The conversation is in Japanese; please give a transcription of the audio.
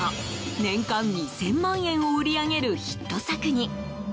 年間２０００万円を売り上げるヒット作に。